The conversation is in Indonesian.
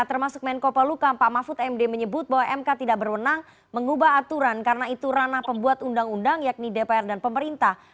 termasuk menko peluka pak mahfud md menyebut bahwa mk tidak berwenang mengubah aturan karena itu ranah pembuat undang undang yakni dpr dan pemerintah